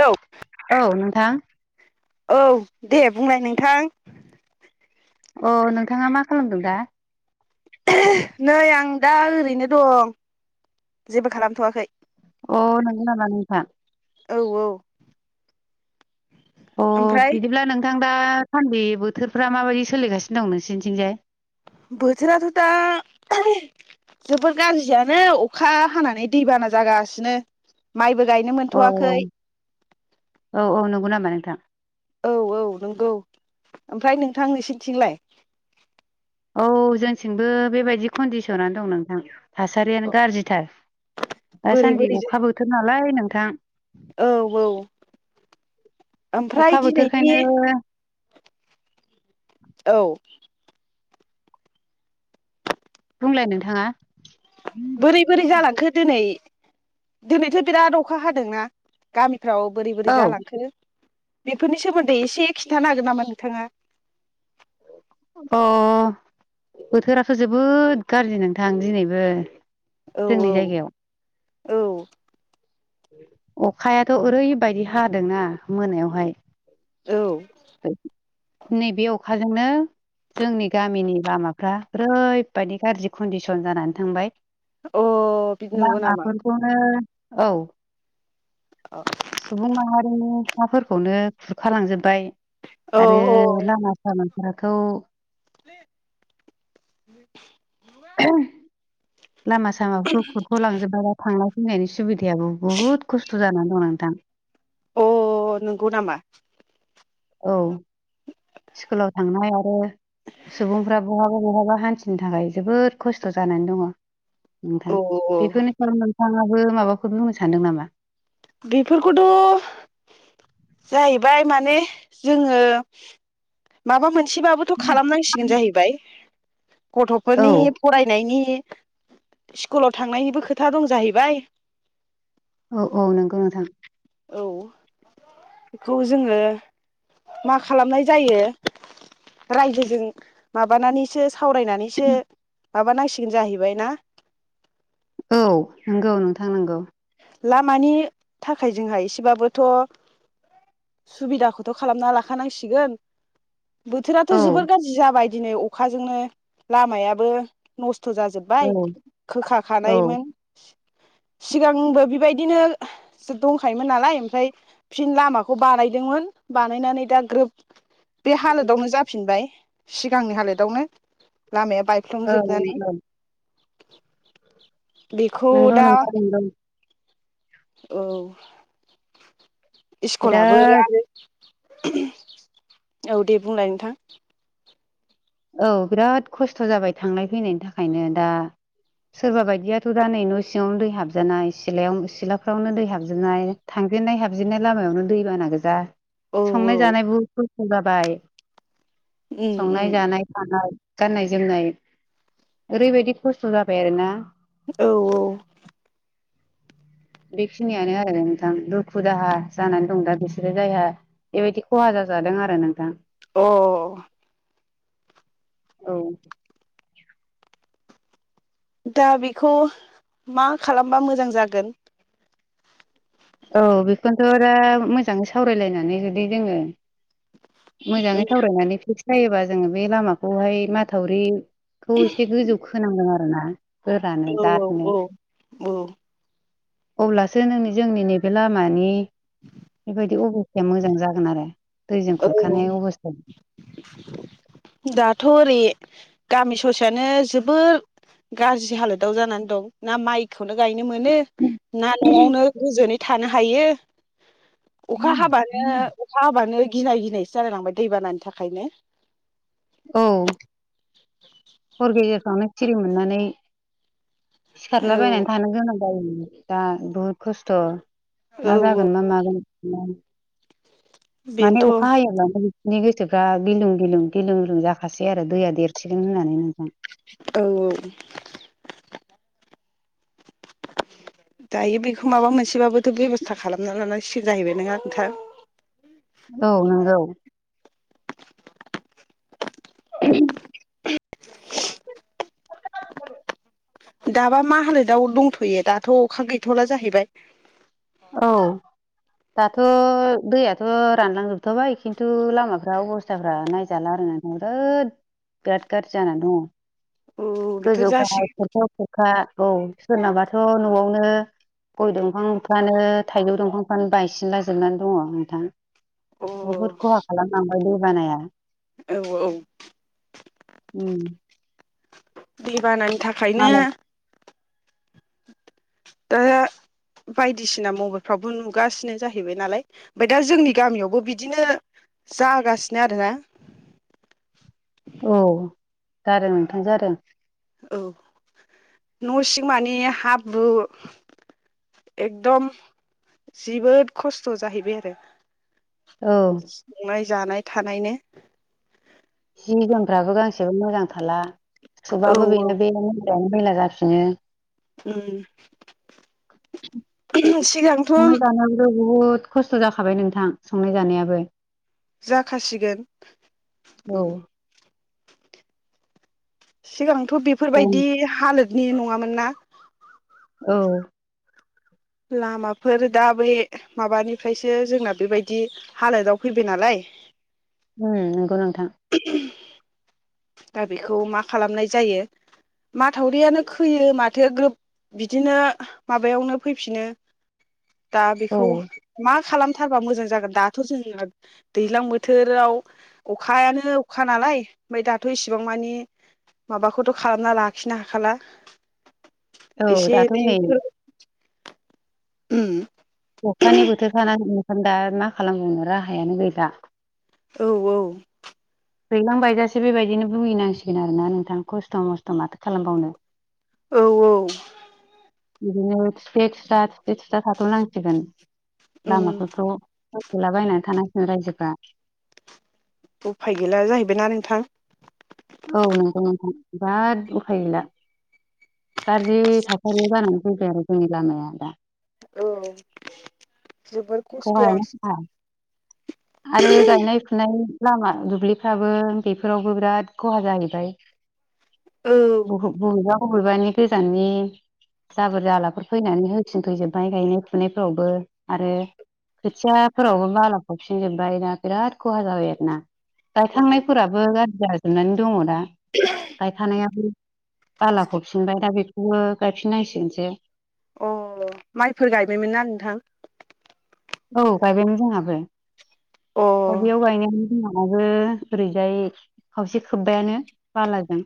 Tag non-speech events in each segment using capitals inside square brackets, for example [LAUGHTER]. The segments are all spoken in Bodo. हेलौ। औ नोंथां। औ दे बुंलाय नोंथां। अ नोंथाङा मा खालामदों दा? नै आं दा ओरैनो दं। जेबो खालामथ'वाखै। अ नोंगो नामा नोंथां? औ औ। अ ओमफ्राय बिदिब्ला नोंथां दा सान्दि बोथोरफ्रा माबायदि सोलिगासिनो दं नोंसोरनिथिंजाय? बोसोराथ' दा जोबोर गाज्रियानो अखा हानानै दैबाना जागासिनो। माइबो- गायनो औ मोनथ'वाखै औ औ औ नंगौ नामा नोंथां? औ औ नोंगौ। ओमफ्राय नोंथां नोंसोरनिथिंलाय? औ जोंथिंबो बेबायदि कन्डिसनानो दं नोंथां। थासारियानो गाज्रिथार बोरै दासान्दि बोरै अखा बोथोर नालाय नोंथां। औ औ अखा ओमफ्राय दिनैनि बोथोरखायनो औ। बुंलाय नोंथाङा। बोरै बोरै जालांखो दोनै? दिनैथ' बिराद अखा हादोंना। गामिफ्राव बोरै बोरै औ जालांखो? बेफोरनि सोमोन्दै एसे खिन्थानो हागोन नामा नोंथाङा? अ बोथोराथ' जोबोद गारजि नोंथां दिनैबो। औ जोंनि औ जायगायाव। औ। अखायाथ' ओरैबायदि हादोंना मोनायावहाय औ। नैबे अखाजोंनो जोंनि गामिनि लामाफ्रा ओरैबायदि गाज्रि कन्डिसन जानानै थांबाय। अ बिदि नंगौ नामा लामाफोरखौनो औ औ सुबुं माहारिनि हाफोरखौनो खुरखा लांजोबबाय औ आरो लामा सामा फोरखौ [INAUDIBLE] लामा सामाफोरखौ खुरख'लांजोबबाय थांनाय फैनायनि सुबिदायाबो बुहुद खस्थ' जानानै औ नोंथां। अ नोंगौ नामा? औ। स्कुलाव थांनाय आरो सुबुंफ्रा बहाबा बहाबा हान्थिनो थाखाय जोबोद खस्थ' जानानै दङ औ नोंथां। औ औ बेफोरनि सायाव नोंथाङाबो माबाफोर बुंनो सानदों नामा? बेफोरखौथ' जाहैबाय माने जोङो माबा मोनसेबाबोथ' खालामनांसिगोन जाहैबाय। गथ'फोरनि औ फरायनायनि स्कुलाव थांनायनिबो खोथा दं जाहैबाय। औ औ नोंगौ नोंथां। औ बेखौ जोङो मा खालामनाय जायो रायजोजों माबानानैसो सावरायनानैसो माबा नांसिगोन जाहैबाय ना औ नंगौ नोंथां नंगौ लामानि थाखाय जोंहा एसेबाबोथ' सुबिदाखौथ' खालामना लाखानांसिगोन बोथोराथ' औ जोबोर गाज्रि जाबाय दिनै अखाजोंनो लामायाबो नस्थ थ' औ जाजोबबाय खोखा औ खानायमोन सिगांबो बेबायदिनो दंखायोमोन नालाय ओमफ्राय फिन लामाखौ बानायदोंमोन बानायनानै दा ग्रोब बे हालोदावनो जाफिनबाय सिगांनि हालोदावनो लामाया औ बायफ्लंजोबनानै बिखौ नंगौ दा नोंथां नंगौ औ इस्कुलाबो बिराद आरो औ दे बुंलाय नोंथां औ बिराद खस्थ' जाबाय थांनाय फैनायनि थाखायनो दा सोरबा बायदियाथ' दा नै न' सिङावनो दै हाबजानाय सिलायाव सिलाफ्रावनो दै हाबजोबनाय थां जेननाय हाबजेनन्नाय लामायावनो दै बाना गोजा औ औ संनाय जानाय बुहुद खस्थ' जाबाय संनाय ओम-ओम जानाय गाननाय जोमनाय ओरैबायदि खस्थ' जाबाय आरोना औ-औ बेखिनियानो आरो नोंथां दुखु दाहा जानानै दं दा बिसोरो जायहा बेबायदि खहा जाजादों आरो नोंथां अ औ दा बेखौ मा खालामबा मोजां जागोन औ बेखोनथ' दा मोजाङै सावरायलायनानै जुदि जोङो मोजाङै औ सावरायनानै फिक्स जायोबा जोङो बे लामाखौहाय माथावरि खौ एसे गोजौ खोनांगोन आरोना गोरानो औ दादनो औ औ अब्लासो नोंनि जोंनि नैबे लामानि बायदि अबस्थाया मोजां जागोन आरो दैजों औ खुरखानाय अबस्थाया दाथ' ओरै गामि ससेयानो जोबोर गाज्रि हालोदाव जानानै दं ना माइख खौनो गायनो मोनो ना न'आवनो गोजोनै थानो हायो अखा हाबानो अखा हाबानो गिनाय गिनायसो जालाय लांबाय दैबानानि थाखायनो औ फ्रावनो सिरि मोननानै औ सिखारलाबायनानै थानो गोनां जायोमोन दा बुहुद खस्थ' औ मा औ जागोन मा मागोन माने बेनोथ' अखा हायोब्लानो नि गोसोफ्रा गिलुं-गिलुं गिलुं-गिलुं जाखासै आरो दैया देरसिगोन होननानै नोंथां औ-औ [INAUDIBLE] [UNINTELLIGIBLE] दायो बेखौ माबा मोनसेबाबोथ' बेब'स्था खालामना लानांसिगोन जाहैबाय नङा नोंथां औ नंगौ [UNINTELLIGIBLE] [INAUDIBLE] [UNINTELLIGIBLE] [INAUDIBLE] दाबा मा हालोदाव दंथ'यो दाथ' अखा गैथ'ला जाहैबाय औ दाथ' दैयाथ' रानलांजोबथाबाय खिन्थु लामाफ्रा अबस्थाफ्रा नायजाला आर ना मरओथ बेराथ गाज्रि जाना दङ औ बेथ' गोजौ ग जासिगोन खथाव खखा औ सोरनाबाथ' न'आवनो गय दंफां बिबानो थाइगौ दंफांफ्रानो बायसिनलाजोबनानै दङ नोंथां बहुद खहा खालामलांबाय दै बानाया औ औ उम दै बानानि थाखायनो मालाय [UNINTELLIGIBLE] बायदिसिना मबाइलफ्रावबो नुगासिनो जाहैबाय नालाय ओमफाय दा जोंनि गामियावबो बिदिनो जागासिनो आरोना औ जादों नोंथां जादों औ न' सिं मानि हाब्रु एकदम जोबोद खस्थ' जाहैबाय आरो औ संनाय जानाय थानायनो जि जोमफ्राबो गांसेबो मोजां थाला औ सुबाबो औ बेनो बे मोजां मैला जाफिनो उम सिगांथ' संनाय जानायावोथ' बुहुद खस्थ' जाखाबाय नोंथां संनाय जानायाबो जाखासिगोन औ सिगांथ' ओं बेफोरबायदि हालोदनि नङामोन ना औ लामाफोर दा बे माबानिफ्रायसो जोंना बेबायदि हालोदाव फैबाय नालाय नंगौ नोंथां दा बेखौ मा खालामनाय जायो माथावरियानो खोयो माथो ग्रोब बिदिनो माबायावनो फैफिनो [INAUDIBLE] दा औ बेखौ मा खालाम थारबा मोजां जागोन दाथ' जोंहा दैज्लां बोथोराव अखायानो अखा नालाय ओमफ्राय दाथ' इसिबां मानि माबाखौथ' खालामना लाखिनो हाखाला औ एसे दाथ' नै [INAUDIBLE] अखानि बोथोरखानानै ओखाम दा मा खालामबावनो राहायानो गैला औ औ दैलांबायजासे बेबायदिनो बुहिनांसिगोन आरोना नोंथां खस्थ' मस्थ' माथो खालामबावनो औ औ बिदिनो थिथ खिथ्रा थिथे थिथ्रा थाथ'नांसिगोन उम लामाफोरखौ फथ'लाबायनानै थानांसिगोन रायजोफ्रा उफाय गैला जाहैबायना नोंथां औ नोंथां नोंथां बिराद उफाय गैला गाज्रि थासारिनि जानानै फैबाय आरो जोंनि लामाया दा औ जोबोर खस्थ'या खहायानो खहा आरो गायनाय फुनाय लामा दुब्लिफ्राबो बेफोरावबो बिराद खहा जाहैबाय औ बबेबा बबेबानि गोजाननि जाबोर जालाफोर फैनानै होसिनफैजोबबाय गायनाय फुनायफोरावबो आरो खोथियाफोरावबो बाला हावफिनजोबबाय दा बिराद खहा जाबाय आरो ना गायखांनायफोराबो गाज्रि जाजोबनानै दङ दा गायखानायाबो बालाखौफिनबाय दा बे बेबो गायफिननांसिगोनसो अ माइफोर गायबायमोन ना नोंथां औ गायबायमोन जोंहाबो अ दा बेयाव गायनायानो बिमाबाबो ओरैजाय खावसे खोब्बायानो बालाजों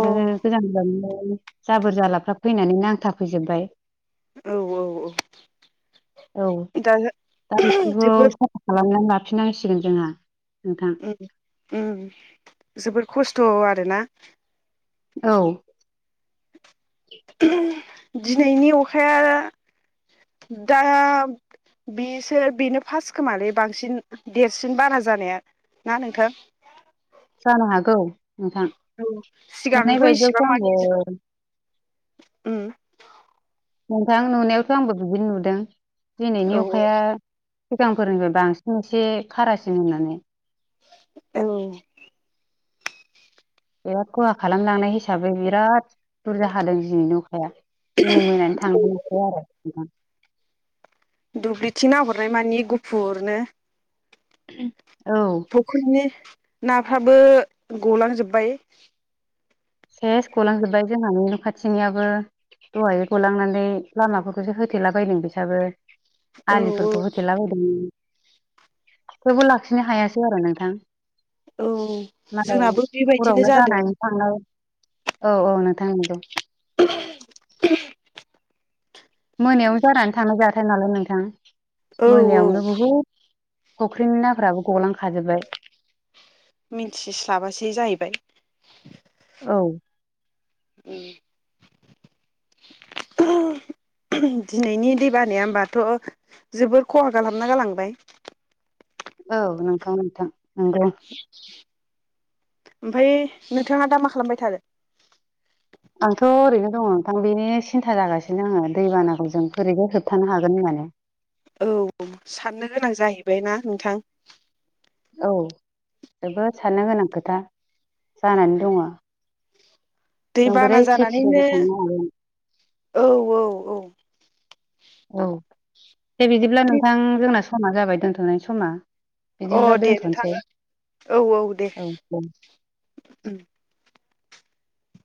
आरो गोजान गोजाननि जाबोर जालाफ्रा फैनानै नांथाफैजोबबाय औ औ औ। दा बेफोरखौनोथ' साफा खालामनानै लाफिननांसिगोन जोंहा नोंथां उम उम जोबोर खस्थ' आरोना। औ। दिनैनि अखाया दा बेसो बेनो फास्ट खोमालै बांसिन देरसिन बारा जानाया ना नोंथां? जानो हागौ नोंथां औ नुनाय सिगांथ' इसिबां बायदियावथ' मानि आंबो उम नोंथां नुनायावथ' आंबो बिदिनो नुदों दिनैनि औ अखाया सिगांफोरनिफ्राय बांसिन एसे खारासिन होननानै औ। बिराद खहा खालामलांनाय हिसाबै बिराद बुरजा हादों दिनैनि अखाया दिनै मोनानि थांग्रोनिसै आरो नोंथां। दुब्लिथिं नाहरनाय मानि गुफुरनो [INAUDIBLE] औौ फुख्रिनि नाफ्राबो गलांजोबबाय सेस गलांजोबबाय जोंहानि न' खाथिनियाबो दहायै गलांनानै लामाफोरखौसो होथेलाबायदों बिसाबो औ औ आलिफोरखौ होथेलाबायदोंमोन थेवबो लाखिनो हायासै आरो नोंथां। औ मालाय जोंनाबो बेबायदिनो हरावनो जादों जानानै थाङो। औ औ नोंथां नंगौ। [INAUDIBLE] मोनायाव जानानै थांनाय जाथाय नालाय नोंथां औ औ मोनायावनो बुहुद फुख्रिनि नाफ्राबो गलांखाजोबबाय। मिथिस्लाबासै जाहैबाय औ उम। [INAUDIBLE] दिनैनि दै बानाया होमबाथ' जोबोर खहा खालामना गालांबाय। औ नोंगौ नोंथां नोंगौ। ओमफाय नोंथाङा दा मा खालामबाय थादों? आंथ' ओरैनो दङ नोंथां बेनि सिन्था जागासिनो आङो दैबानाखौ जों बोरैनो होबथानो हागोन होनना। उम। औ साननो गोनां जाहैबाय ना नोंथां? औ जोबोद साननो गोनां खोथा जानानै दङ। जों बोरै दैबाना खेथिखौ जानानैनो बोखांनो हागोन। औ औ औ औ दे बिदिब्ला दे नोंथां जोंना समा जाबाय दोनथ'नोसाय समा। अ बिदिब्ला दे नोंथां दोनथ'नोसै ओं औ औ दे। उम।